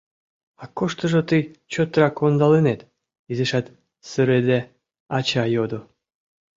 — А куштыжо тый чотрак ондалынет? — изишат сырыде ача йодо.